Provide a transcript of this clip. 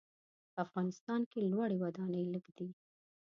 په افغانستان کې لوړې ودانۍ لږ دي.